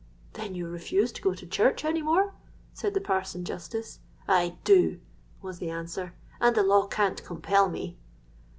'—'Then you refuse to go to church any more?' said the parson justice.—'I do,' was the answer; 'and the law can't compel me.'